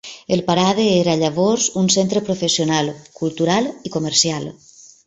El Parade era llavors un centre professional, cultural i comercial.